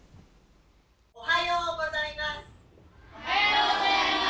おはようございます。